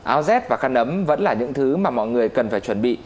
áo jet và căn ấm vẫn là những thứ mà mọi người cần phải chuẩn bị